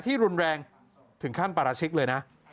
รุนแรงถึงขั้นปราชิกเลยนะ